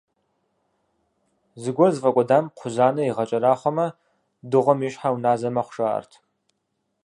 Зыгуэр зыфӏадыгъуам кхъузанэ игъэкӏэрахъуэмэ, дыгъуэм и щхьэр уназэ мэхъу, жаӏэрт.